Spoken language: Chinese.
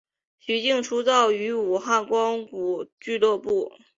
徐擎出道于武汉光谷俱乐部。